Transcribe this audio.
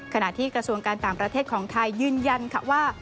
ขณะที่กระทรวงการต่างประเทศของไทยยืนยันค่ะว่า